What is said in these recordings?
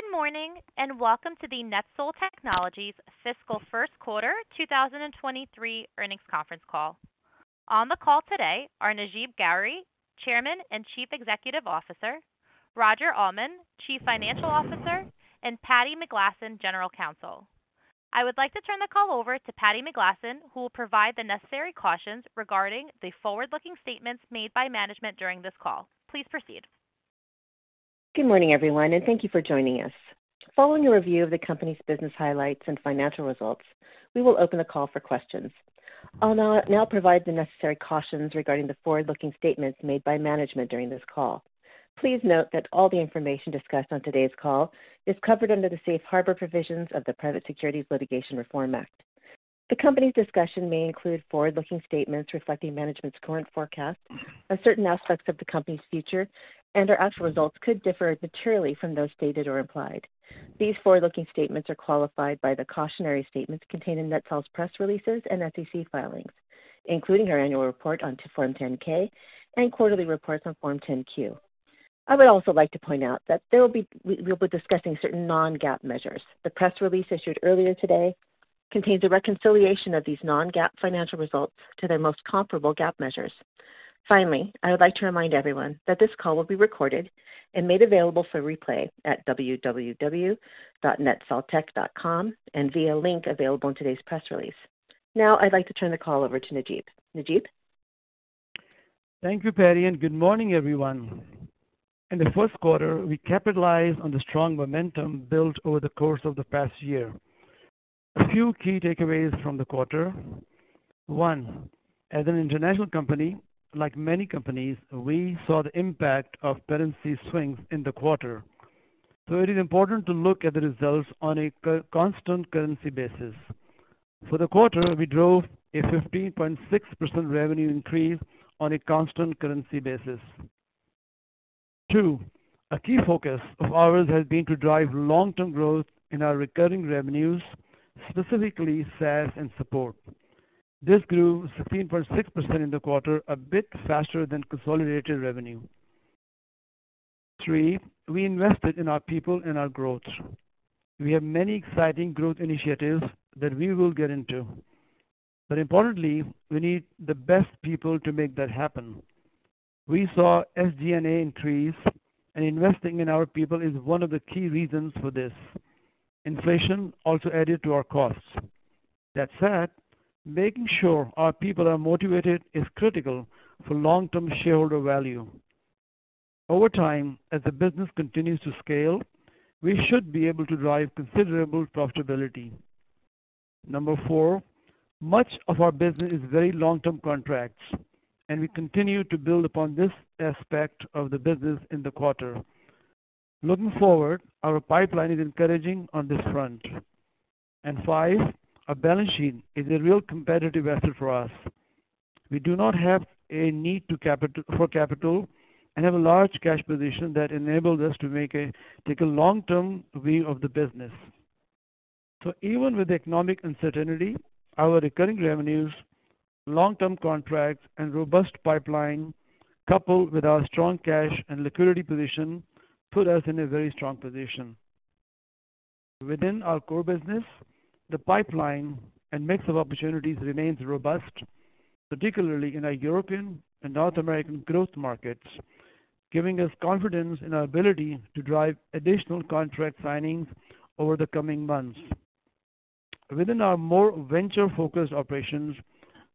Good morning, and welcome to the NetSol Technologies Fiscal First Quarter 2023 Earnings Conference Call. On the call today are Najeeb Ghauri, Chairman and Chief Executive Officer, Roger Almond, Chief Financial Officer, and Patti McGlasson, General Counsel. I would like to turn the call over to Patti McGlasson, who will provide the necessary cautions regarding the forward-looking statements made by management during this call. Please proceed. Good morning, everyone, and thank you for joining us. Following a review of the company's business highlights and financial results, we will open the call for questions. I'll now provide the necessary cautions regarding the forward-looking statements made by management during this call. Please note that all the information discussed on today's call is covered under the Safe Harbor provisions of the Private Securities Litigation Reform Act. The company's discussion may include forward-looking statements reflecting management's current forecasts of certain aspects of the company's future, and our actual results could differ materially from those stated or implied. These forward-looking statements are qualified by the cautionary statements contained in NetSol's press releases and SEC filings, including our annual report on Form 10-K and quarterly reports on Form 10-Q. I would also like to point out that we'll be discussing certain non-GAAP measures. The press release issued earlier today contains a reconciliation of these non-GAAP financial results to their most comparable GAAP measures. Finally, I would like to remind everyone that this call will be recorded and made available for replay at www.netsoltech.com and via link available in today's press release. Now, I'd like to turn the call over to Najeeb. Najeeb? Thank you, Patti, and good morning, everyone. In the first quarter, we capitalized on the strong momentum built over the course of the past year. A few key takeaways from the quarter. One, as an international company, like many companies, we saw the impact of currency swings in the quarter. So it is important to look at the results on a constant currency basis. For the quarter, we drove a 15.6% revenue increase on a constant currency basis. Two, a key focus of ours has been to drive long-term growth in our recurring revenues, specifically SaaS and support. This grew 16.6% in the quarter, a bit faster than consolidated revenue. Three, we invested in our people and our growth. We have many exciting growth initiatives that we will get into, but importantly, we need the best people to make that happen. We saw SG&A increase, and investing in our people is one of the key reasons for this. Inflation also added to our costs. That said, making sure our people are motivated is critical for long-term shareholder value. Over time, as the business continues to scale, we should be able to drive considerable profitability. Number four, much of our business is very long-term contracts, and we continue to build upon this aspect of the business in the quarter. Looking forward, our pipeline is encouraging on this front. Five, our balance sheet is a real competitive asset for us. We do not have a need for capital and have a large cash position that enables us to take a long-term view of the business. Even with economic uncertainty, our recurring revenues, long-term contracts, and robust pipeline, coupled with our strong cash and liquidity position, put us in a very strong position. Within our core business, the pipeline and mix of opportunities remains robust, particularly in our European and North American growth markets, giving us confidence in our ability to drive additional contract signings over the coming months. Within our more venture-focused operations,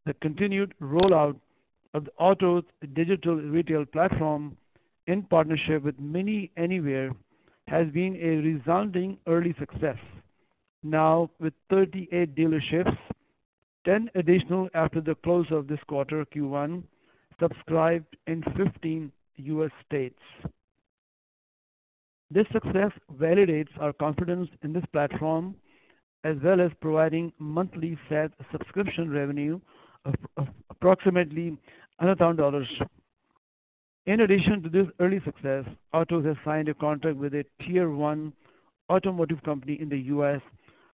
the continued rollout of the Otoz digital retail platform in partnership with MINI Anywhere has been a resounding early success. Now with 38 dealerships, 10 additional after the close of this quarter, Q1, subscribed in 15 U.S. states. This success validates our confidence in this platform, as well as providing monthly SaaS subscription revenue of approximately $100,000. In addition to this early success, Otoz has signed a contract with a tier one automotive company in the U.S.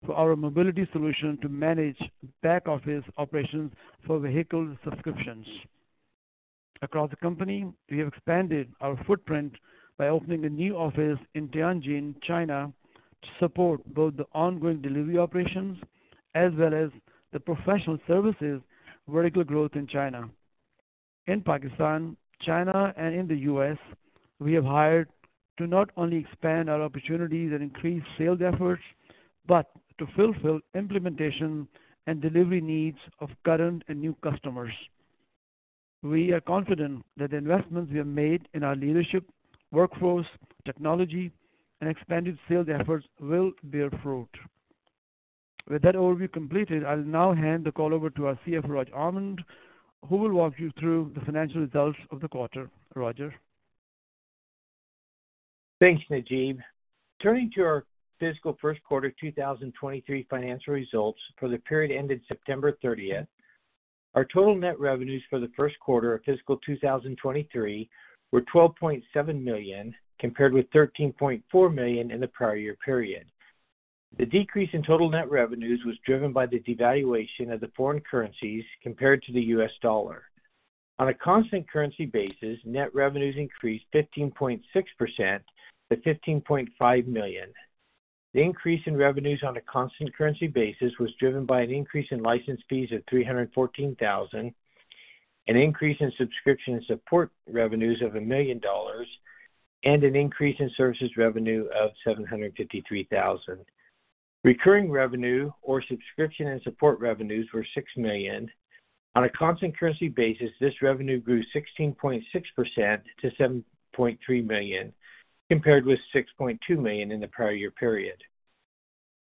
for our mobility solution to manage back-office operations for vehicle subscriptions. Across the company, we have expanded our footprint by opening a new office in Tianjin, China, to support both the ongoing delivery operations as well as the professional services vertical growth in China. In Pakistan, China, and in the U.S., we have hired to not only expand our opportunities and increase sales efforts, but to fulfill implementation and delivery needs of current and new customers. We are confident that the investments we have made in our leadership, workforce, technology, and expanded sales efforts will bear fruit. With that overview completed, I'll now hand the call over to our CFO, Roger Almond, who will walk you through the financial results of the quarter. Roger? Thanks, Najeeb. Turning to our fiscal first quarter 2023 financial results for the period ended September 30th. Our total net revenues for the first quarter of fiscal 2023 were $12.7 million, compared with $13.4 million in the prior year period. The decrease in total net revenues was driven by the devaluation of the foreign currencies compared to the US dollar. On a constant currency basis, net revenues increased 15.6% to $15.5 million. The increase in revenues on a constant currency basis was driven by an increase in license fees of $314,000, an increase in subscription support revenues of $1 million, and an increase in services revenue of $753,000. Recurring revenue or subscription and support revenues were $6 million. On a constant currency basis, this revenue grew 16.6% to $7.3 million, compared with $6.2 million in the prior year period.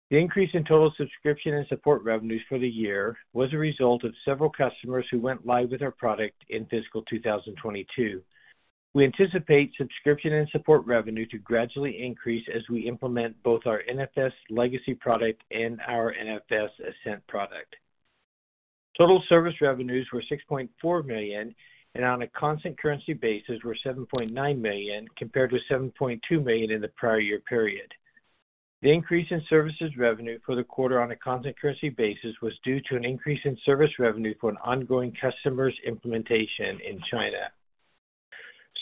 The increase in total subscription and support revenues for the year was a result of several customers who went live with our product in fiscal 2022. We anticipate subscription and support revenue to gradually increase as we implement both our NFS Legacy product and our NFS Ascent product. Total service revenues were $6.4 million and on a constant currency basis were $7.9 million compared with $7.2 million in the prior year period. The increase in services revenue for the quarter on a constant currency basis was due to an increase in service revenue for an ongoing customer's implementation in China.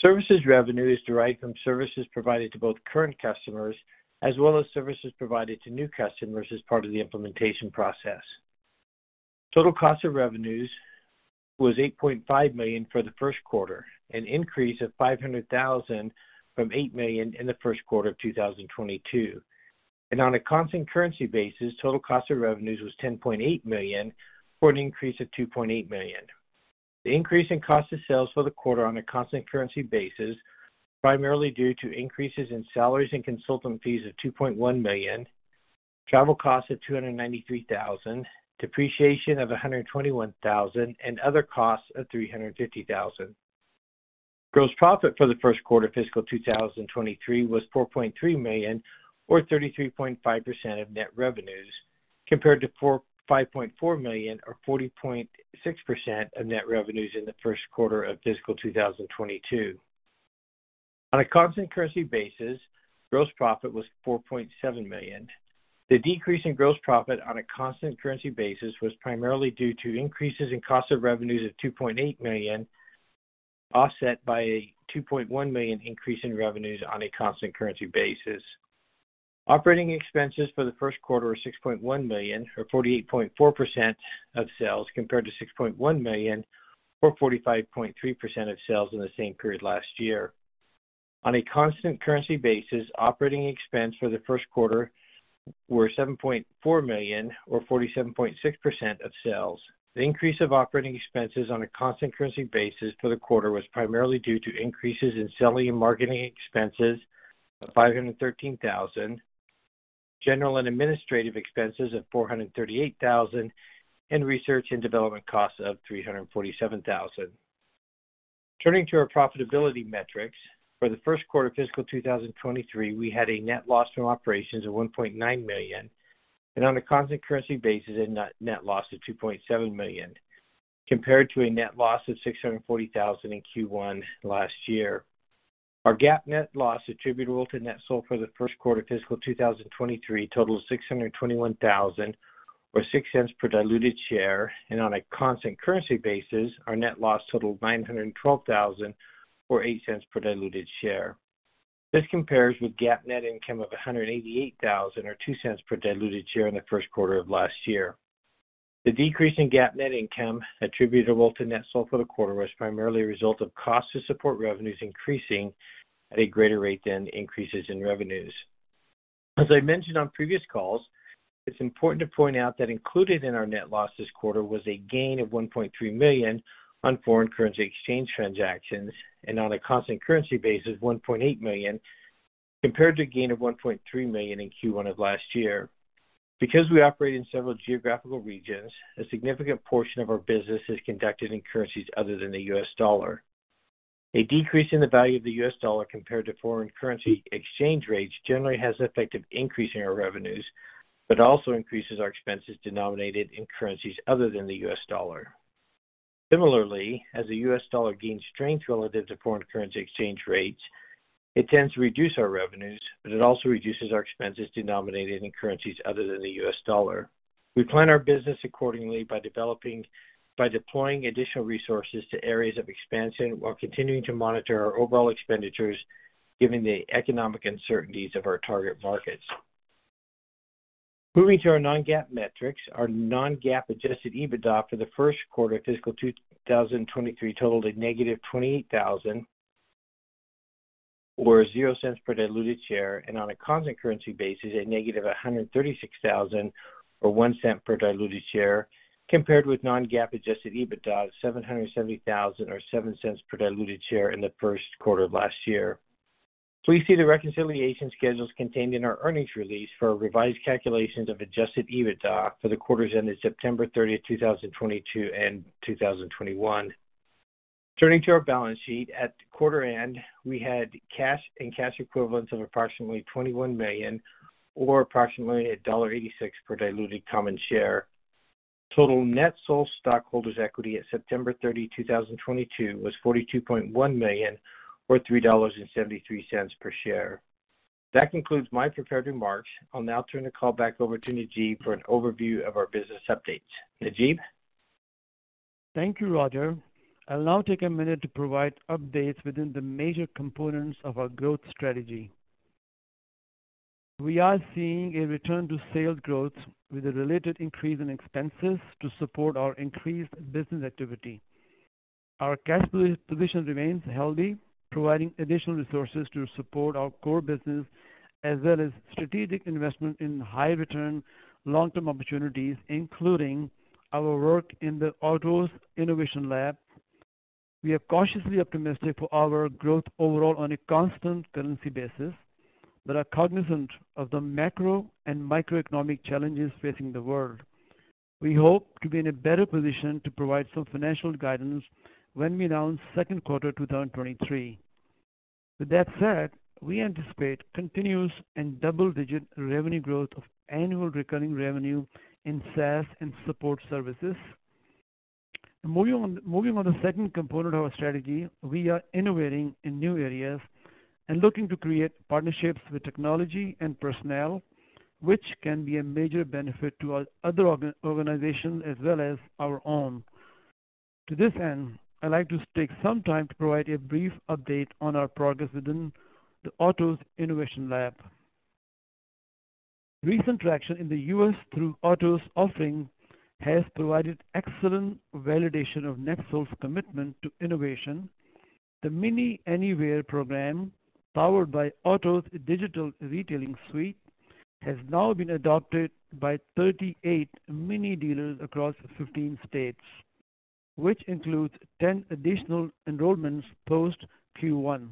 Services revenue is derived from services provided to both current customers as well as services provided to new customers as part of the implementation process. Total cost of revenues was $8.5 million for the first quarter, an increase of $500,000 from $8 million in the first quarter of 2022. On a constant currency basis, total cost of revenues was $10.8 million, for an increase of $2.8 million. The increase in cost of sales for the quarter on a constant currency basis, primarily due to increases in salaries and consultant fees of $2.1 million, travel costs of $293,000, depreciation of $121,000, and other costs of $350,000. Gross profit for the first quarter fiscal 2023 was $4.3 million or 33.5% of net revenues, compared to $5.4 million or 40.6% of net revenues in the first quarter of fiscal 2022. On a constant currency basis, gross profit was $4.7 million. The decrease in gross profit on a constant currency basis was primarily due to increases in cost of revenues of $2.8 million, offset by a $2.1 million increase in revenues on a constant currency basis. Operating expenses for the first quarter were $6.1 million or 48.4% of sales compared to $6.1 million or 45.3% of sales in the same period last year. On a constant currency basis, operating expense for the first quarter were $7.4 million or 47.6% of sales. The increase of operating expenses on a constant currency basis for the quarter was primarily due to increases in selling and marketing expenses of $513,000, general and administrative expenses of $438,000, and research and development costs of $347,000. Turning to our profitability metrics. For the first quarter of fiscal 2023, we had a net loss from operations of $1.9 million and on a constant currency basis, a net loss of $2.7 million compared to a net loss of $640,000 in Q1 last year. Our GAAP net loss attributable to NetSol for the first quarter fiscal 2023 totaled $621,000 or $0.06 per diluted share, and on a constant currency basis, our net loss totaled $912,000 or $0.08 per diluted share. This compares with GAAP net income of $188,000 or $0.02 per diluted share in the first quarter of last year. The decrease in GAAP net income attributable to NetSol for the quarter was primarily a result of costs to support revenues increasing at a greater rate than increases in revenues. As I mentioned on previous calls, it's important to point out that included in our net loss this quarter was a gain of $1.3 million on foreign currency exchange transactions and on a constant currency basis, $1.8 million compared to a gain of $1.3 million in Q1 of last year. Because we operate in several geographical regions, a significant portion of our business is conducted in currencies other than the US dollar. A decrease in the value of the US dollar compared to foreign currency exchange rates generally has the effect of increasing our revenues, but also increases our expenses denominated in currencies other than the US dollar. Similarly, as the US dollar gains strength relative to foreign currency exchange rates, it tends to reduce our revenues, but it also reduces our expenses denominated in currencies other than the US dollar. We plan our business accordingly by deploying additional resources to areas of expansion while continuing to monitor our overall expenditures given the economic uncertainties of our target markets. Moving to our non-GAAP metrics. Our non-GAAP adjusted EBITDA for the first quarter fiscal 2023 totaled -$28,000 or $0.00 per diluted share, and on a constant currency basis -$136,000 or $0.01 per diluted share, compared with non-GAAP adjusted EBITDA of $770,000 or $0.07 per diluted share in the first quarter of last year. Please see the reconciliation schedules contained in our earnings release for revised calculations of adjusted EBITDA for the quarters ended September 30th, 2022 and 2021. Turning to our balance sheet. At the quarter end, we had cash and cash equivalents of approximately $21 million or approximately $1.86 per diluted common share. Total NetSol stockholders' equity at September 30, 2022 was $42.1 million or $3.73 per share. That concludes my prepared remarks. I'll now turn the call back over to Najeeb for an overview of our business updates. Najeeb. Thank you, Roger. I'll now take a minute to provide updates within the major components of our growth strategy. We are seeing a return to sales growth with a related increase in expenses to support our increased business activity. Our cash position remains healthy, providing additional resources to support our core business as well as strategic investment in high return, long-term opportunities, including our work in the Otoz Innovation Lab. We are cautiously optimistic for our growth overall on a constant currency basis but are cognizant of the macro and microeconomic challenges facing the world. We hope to be in a better position to provide some financial guidance when we announce second quarter 2023. With that said, we anticipate continuous and double-digit revenue growth of annual recurring revenue in SaaS and support services. Moving on to the second component of our strategy, we are innovating in new areas and looking to create partnerships with technology and personnel, which can be a major benefit to our other organization as well as our own. To this end, I'd like to take some time to provide a brief update on our progress within the Otoz Innovation Lab. Recent traction in the U.S. through Otoz offering has provided excellent validation of NetSol's commitment to innovation. The MINI Anywhere program, powered by Otoz digital retailing suite, has now been adopted by 38 MINI dealers across 15 states, which includes 10 additional enrollments post-Q1.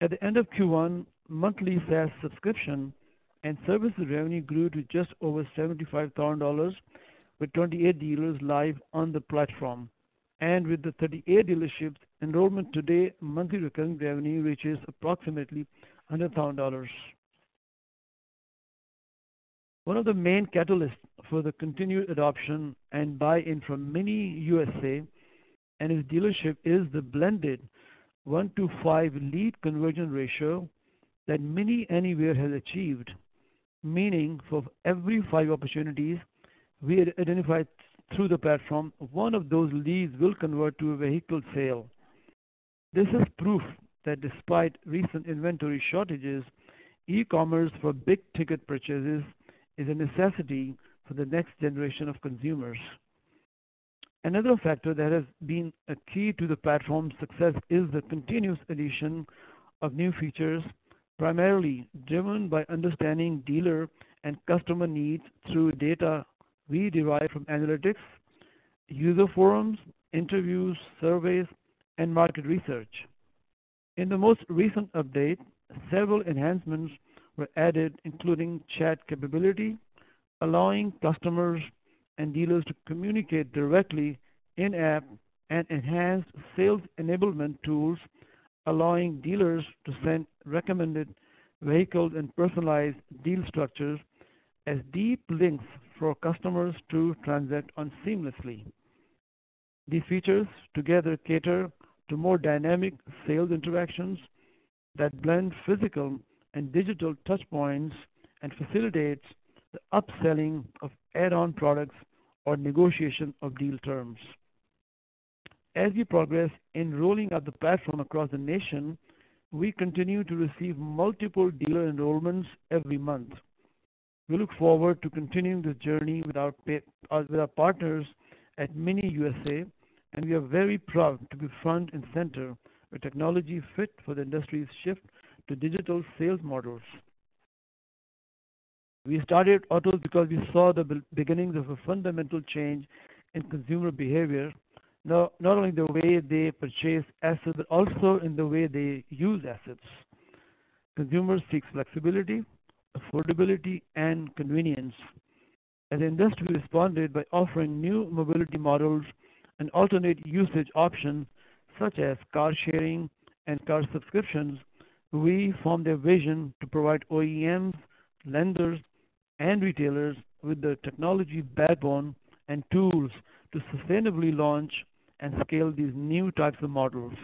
At the end of Q1, monthly SaaS subscription and services revenue grew to just over $75,000 with 28 dealers live on the platform. With the 38 dealerships' enrollment today, monthly recurring revenue reaches approximately $100,000. One of the main catalysts for the continued adoption and buy-in from MINI USA and its dealership is the blended one to five lead conversion ratio that MINI Anywhere has achieved. Meaning, for every five opportunities we identify through the platform, one of those leads will convert to a vehicle sale. This is proof that despite recent inventory shortages, e-commerce for big-ticket purchases is a necessity for the next generation of consumers. Another factor that has been a key to the platform's success is the continuous addition of new features, primarily driven by understanding dealer and customer needs through data we derive from analytics, user forums, interviews, surveys, and market research. In the most recent update, several enhancements were added, including chat capability, allowing customers and dealers to communicate directly in-app and enhanced sales enablement tools, allowing dealers to send recommended vehicles and personalized deal structures as deep links for customers to transact on seamlessly. These features together cater to more dynamic sales interactions that blend physical and digital touch points and facilitates the upselling of add-on products or negotiation of deal terms. As we progress in rolling out the platform across the nation, we continue to receive multiple dealer enrollments every month. We look forward to continuing this journey with our partners at MINI USA, and we are very proud to be front and center with technology fit for the industry's shift to digital sales models. We started Otoz because we saw the beginnings of a fundamental change in consumer behavior, not only in the way they purchase assets, but also in the way they use assets. Consumers seek flexibility, affordability, and convenience. As industry responded by offering new mobility models and alternate usage options such as car sharing and car subscriptions, we formed a vision to provide OEMs, lenders, and retailers with the technology backbone and tools to sustainably launch and scale these new types of models.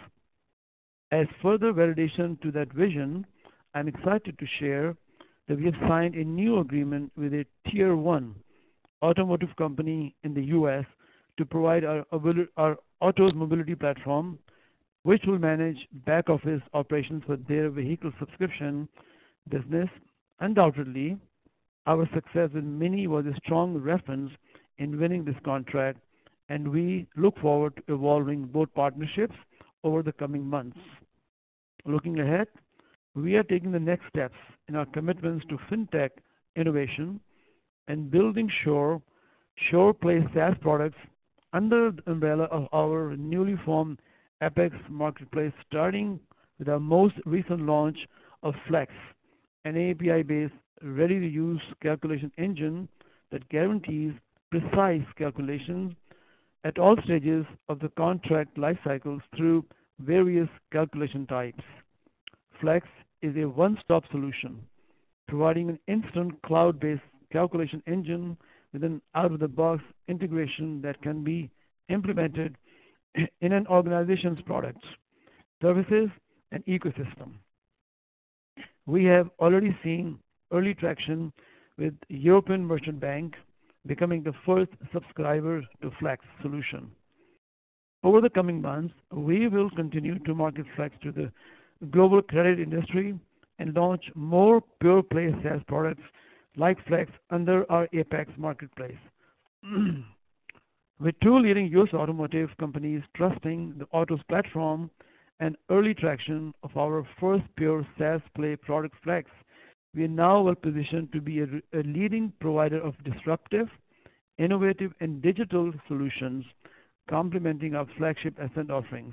As further validation to that vision, I'm excited to share that we have signed a new agreement with a tier one automotive company in the U.S. to provide our Otoz mobility platform, which will manage back-office operations for their vehicle subscription business. Undoubtedly, our success with MINI was a strong reference in winning this contract, and we look forward to evolving both partnerships over the coming months. Looking ahead, we are taking the next steps in our commitments to fintech innovation and building super-secure SaaS products under the umbrella of our newly formed AppexNow, starting with our most recent launch of Flex, an API-based, ready-to-use calculation engine that guarantees precise calculations at all stages of the contract life cycles through various calculation types. Flex is a one-stop solution providing an instant cloud-based calculation engine with an out-of-the-box integration that can be implemented in an organization's product, services and ecosystem. We have already seen early traction with European Merchant Bank becoming the first subscriber to Flex solution. Over the coming months, we will continue to market Flex to the global credit industry and launch more pure play SaaS products like Flex under our Appex Marketplace. With two leading U.S. automotive companies trusting the Otoz platform and early traction of our first pure SaaS play product, Flex, we now are positioned to be a leading provider of disruptive, innovative and digital solutions, complementing our flagship Ascent offerings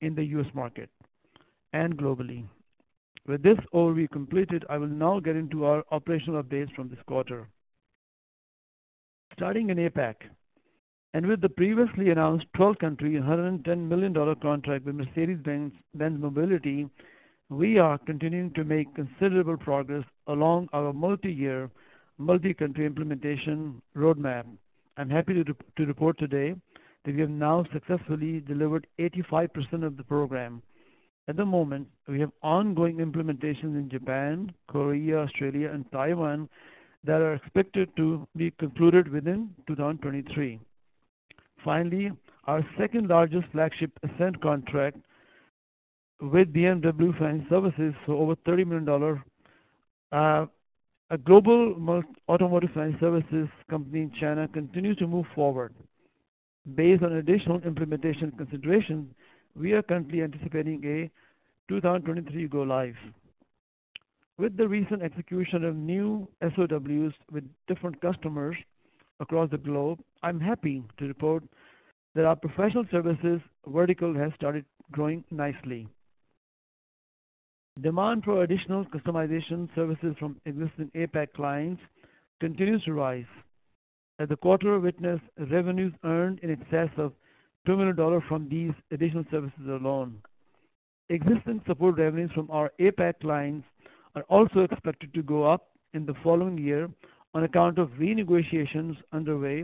in the U.S. market and globally. With this overview completed, I will now get into our operational updates from this quarter. Starting in APAC and with the previously announced 12-country, $110 million contract with Mercedes-Benz Mobility, we are continuing to make considerable progress along our multi-year, multi-country implementation roadmap. I'm happy to report today that we have now successfully delivered 85% of the program. At the moment, we have ongoing implementations in Japan, Korea, Australia and Taiwan that are expected to be concluded within 2023. Finally, our second largest flagship Ascent contract with BMW Financial Services for over $30 million, a global automotive finance services company in China continue to move forward. Based on additional implementation considerations, we are currently anticipating a 2023 go live. With the recent execution of new SOWs with different customers across the globe, I'm happy to report that our professional services vertical has started growing nicely. Demand for additional customization services from existing APAC clients continues to rise. As the quarter witnessed revenues earned in excess of $2 million from these additional services alone. Existing support revenues from our APAC clients are also expected to go up in the following year on account of renegotiations underway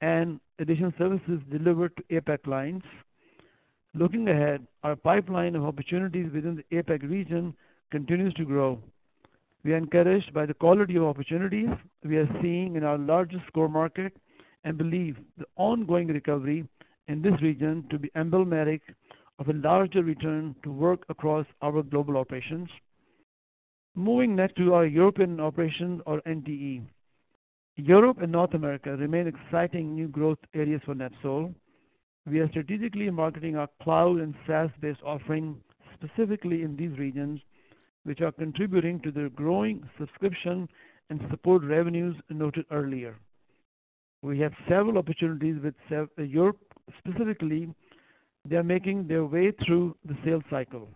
and additional services delivered to APAC clients. Looking ahead, our pipeline of opportunities within the APAC region continues to grow. We are encouraged by the quality of opportunities we are seeing in our largest core market and believe the ongoing recovery in this region to be emblematic of a larger return to work across our global operations. Moving next to our European operations or NTE. Europe and North America remain exciting new growth areas for NetSol. We are strategically marketing our cloud and SaaS-based offerings specifically in these regions which are contributing to the growing subscription and support revenues noted earlier. We have several opportunities with Europe specifically that are making their way through the sales cycle.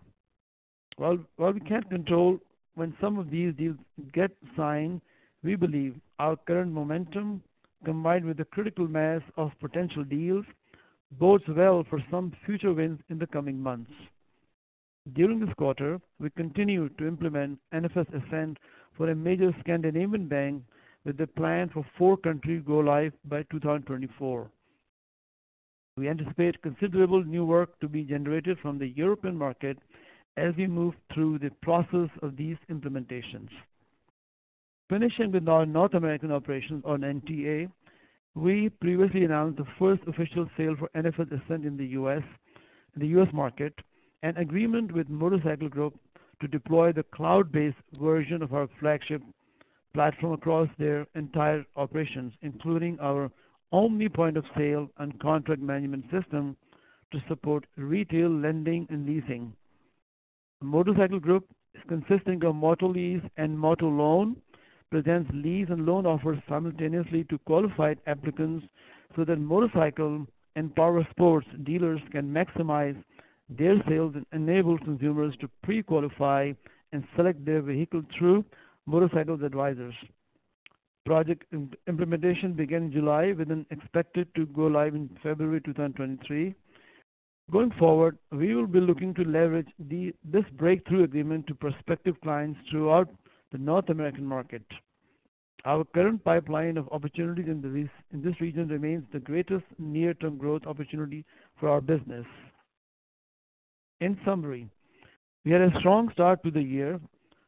While we can't control when some of these deals get signed, we believe our current momentum, combined with the critical mass of potential deals, bodes well for some future wins in the coming months. During this quarter, we continued to implement NFS Ascent for a major Scandinavian bank with the plan for four countries go live by 2024. We anticipate considerable new work to be generated from the European market as we move through the process of these implementations. Finishing with our North American operations on NTA, we previously announced the first official sale for NFS Ascent in the U.S., the U.S. market, an agreement with Motorcycle Group to deploy the cloud-based version of our flagship platform across their entire operations, including our Omni Point of Sale and contract management system to support retail lending and leasing. Motorcycle Group is consisting of MotoLease and MotoLoan presents lease and loan offers simultaneously to qualified applicants so that motorcycle and powersports dealers can maximize their sales and enable consumers to pre-qualify and select their vehicle through Motorcycle Group's advisors. Project implementation began in July with an expected to go live in February 2023. Going forward, we will be looking to leverage this breakthrough agreement to prospective clients throughout the North American market. Our current pipeline of opportunities in this region remains the greatest near term growth opportunity for our business. In summary, we had a strong start to the year.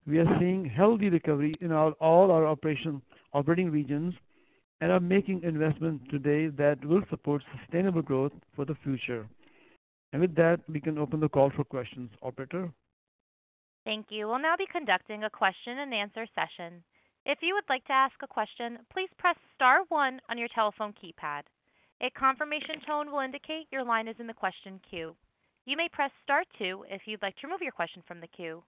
We are seeing healthy recovery in our operating regions and are making investments today that will support sustainable growth for the future. With that, we can open the call for questions. Operator. Thank you. We'll now be conducting a question and answer session. If you would like to ask a question, please press star one on your telephone keypad. A confirmation tone will indicate your line is in the question queue. You may press star two if you'd like to remove your question from the queue.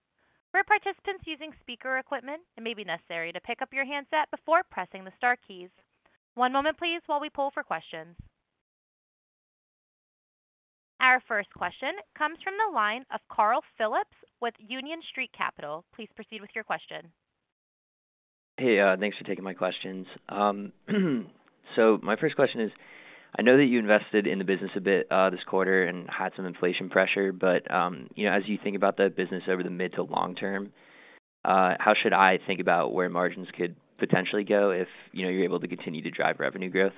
For participants using speaker equipment, it may be necessary to pick up your handset before pressing the star keys. One moment please while we poll for questions. Our first question comes from the line of Carl Phillips with Union Street Capital. Please proceed with your question. Hey, thanks for taking my questions. My first question is, I know that you invested in the business a bit, this quarter and had some inflation pressure, but, you know, as you think about that business over the mid to long term, how should I think about where margins could potentially go if, you know, you're able to continue to drive revenue growth?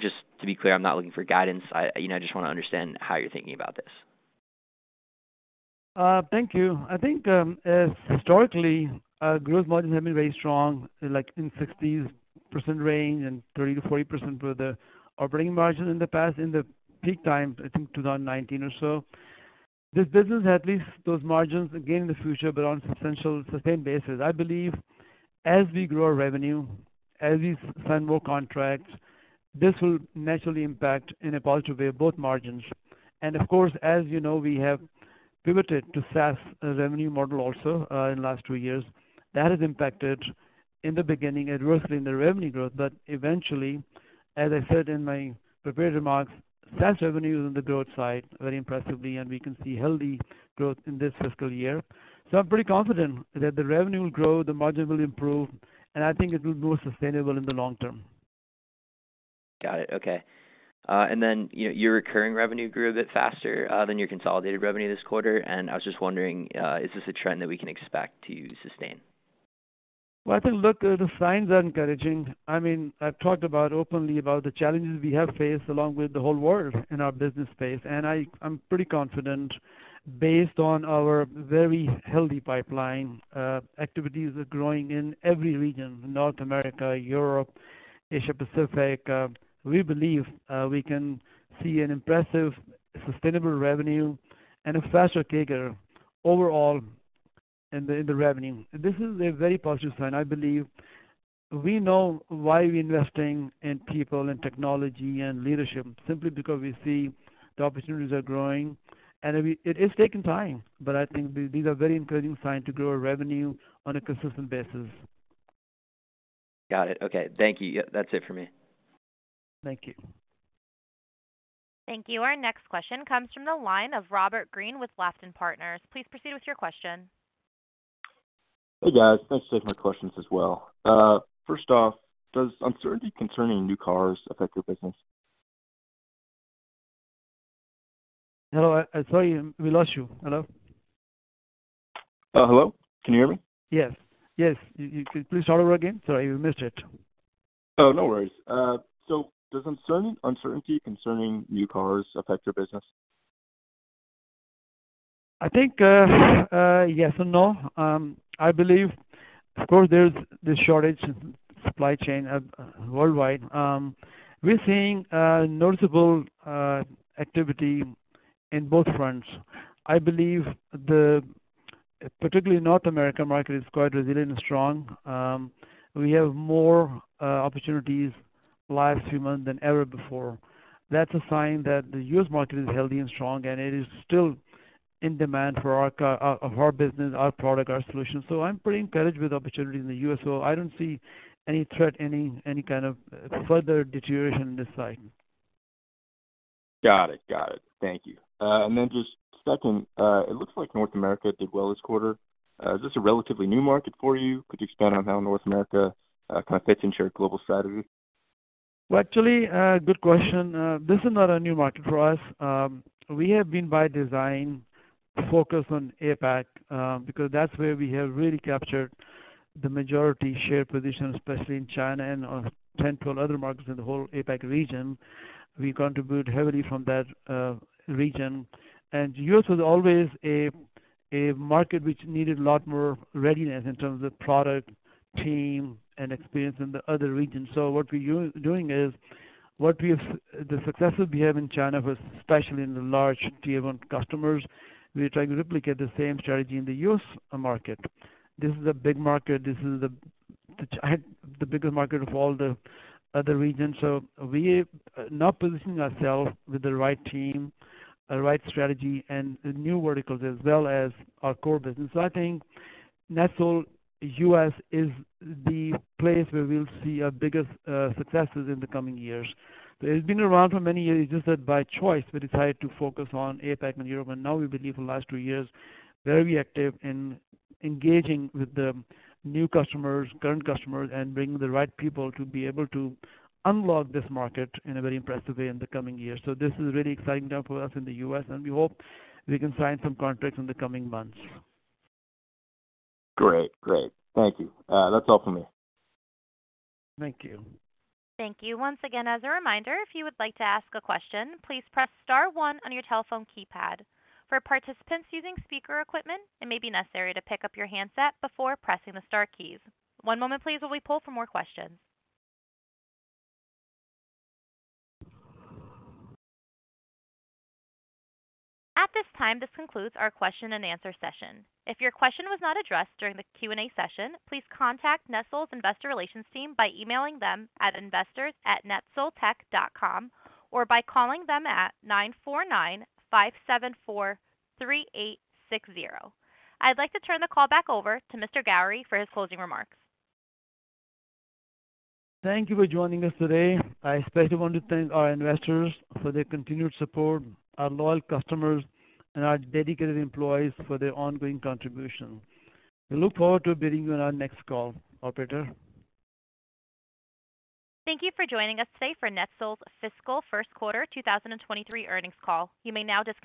Just to be clear, I'm not looking for guidance. You know, I just wanna understand how you're thinking about this. Thank you. I think, historically, growth margins have been very strong, like in 60s% range and 30%-40% for the operating margin in the past. In the peak time, I think 2019 or so, this business had at least those margins again in the future, but on substantial, sustained basis. I believe as we grow our revenue, as we sign more contracts, this will naturally impact in a positive way both margins. Of course, as you know, we have pivoted to SaaS revenue model also, in the last two years. That has impacted in the beginning adversely in the revenue growth, but eventually, as I said in my prepared remarks, SaaS revenue is on the growth side very impressively, and we can see healthy growth in this fiscal year. I'm pretty confident that the revenue will grow, the margin will improve, and I think it will grow sustainably in the long term. Got it. Okay. You know, your recurring revenue grew a bit faster than your consolidated revenue this quarter, and I was just wondering, is this a trend that we can expect to sustain? Well, I think, look, the signs are encouraging. I mean, I've talked about openly about the challenges we have faced along with the whole world in our business space. I'm pretty confident based on our very healthy pipeline, activities are growing in every region, North America, Europe, Asia Pacific. We believe we can see an impressive sustainable revenue and a faster CAGR overall in the revenue. This is a very positive sign, I believe. We know why we're investing in people and technology and leadership simply because we see the opportunities are growing. I mean, it is taking time, but I think these are very encouraging sign to grow our revenue on a consistent basis. Got it. Okay. Thank you. Yeah, that's it for me. Thank you. Thank you. Our next question comes from the line of Robert Green with Lofton Partners. Please proceed with your question. Hey, guys. Thanks for taking my questions as well. First off, does uncertainty concerning new cars affect your business? Hello. I'm sorry, we lost you. Hello? Hello? Can you hear me? Yes. Could you please start over again? Sorry, we missed it. Oh, no worries. Does uncertainty concerning new cars affect your business? I think, yes and no. I believe of course there's the shortage in supply chain worldwide. We're seeing noticeable activity in both fronts. I believe the particularly North America market is quite resilient and strong. We have more opportunities last few months than ever before. That's a sign that the U.S. market is healthy and strong, and it is still in demand for our business, our product, our solutions. I'm pretty encouraged with opportunities in the U.S.. I don't see any threat, any kind of further deterioration in this side. Got it. Thank you. Then just second, it looks like North America did well this quarter. Is this a relatively new market for you? Could you expand on how North America kind of fits into your global strategy? Well, actually, good question. This is not a new market for us. We have been by design focused on APAC, because that's where we have really captured the majority share position, especially in China and 10, 12 other markets in the whole APAC region. We contribute heavily from that region. U.S. was always a market which needed a lot more readiness in terms of product, team, and experience in the other regions. The successes we have in China was especially in the large tier one customers. We're trying to replicate the same strategy in the U.S. market. This is a big market. This is the biggest market of all the other regions. We are now positioning ourselves with the right team, the right strategy, and the new verticals as well as our core business. I think NetSol U.S. is the place where we'll see our biggest successes in the coming years. It's been around for many years. It's just that by choice, we decided to focus on APAC and Europe, and now we believe in the last two years, very active in engaging with the new customers, current customers, and bringing the right people to be able to unlock this market in a very impressive way in the coming years. This is a really exciting time for us in the U.S., and we hope we can sign some contracts in the coming months. Great. Thank you. That's all for me. Thank you. Thank you. Once again, as a reminder, if you would like to ask a question, please press star one on your telephone keypad. For participants using speaker equipment, it may be necessary to pick up your handset before pressing the star keys. One moment please while we pull for more questions. At this time, this concludes our question and answer session. If your question was not addressed during the Q&A session, please contact NetSol's investor relations team by emailing them at investors@netsoltech.com or by calling them at 949-574-3860. I'd like to turn the call back over to Mr. Ghauri for his closing remarks. Thank you for joining us today. I especially want to thank our investors for their continued support, our loyal customers and our dedicated employees for their ongoing contribution. We look forward to hearing from you on our next call. Operator. Thank you for joining us today for NetSol's Fiscal First Quarter 2023 earnings call. You may now disconnect.